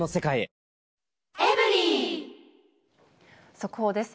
速報です。